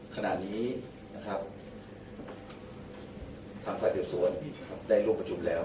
ขณะนี้ทางภาษาเทียบสวนได้ร่วมประจุมแล้ว